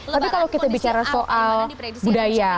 tapi kalau kita bicara soal budaya